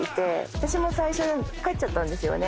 私も最初帰っちゃったんですよね。